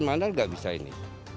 kerjakan mana nggak bisa ini